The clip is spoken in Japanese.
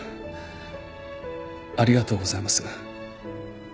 ありがとうございます。